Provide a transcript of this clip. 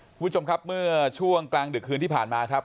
คุณผู้ชมครับเมื่อช่วงกลางดึกคืนที่ผ่านมาครับ